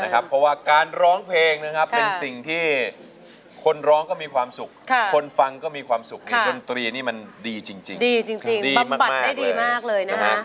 จริงบำบัดได้ดีมากเลยนะฮะ